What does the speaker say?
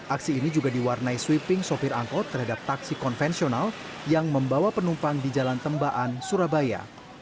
aksi ini juga diwarnai sweeping sopir angkot terhadap taksi konvensional yang membawa penumpang di jalan tembaan surabaya